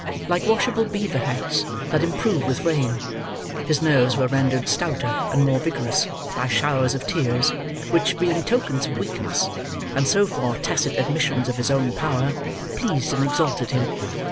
Like washable beaver hats that improve with rain, his nerves were rendered stouter and more vigorous, by showers of tears, which, being tokens of weakness, and so far tacit admissions of his own power, pleased and exalted him.